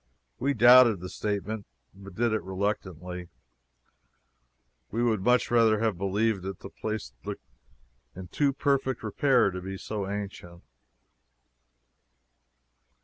We doubted the statement, but did it reluctantly. We would much rather have believed it. The place looked in too perfect repair to be so ancient.